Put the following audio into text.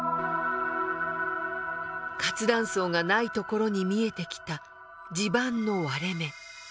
活断層がない所に見えてきた地盤の割れ目。